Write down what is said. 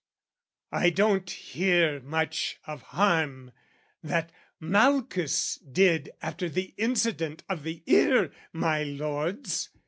I don't hear much of harm that Malchus did After the incident of the ear, my lords!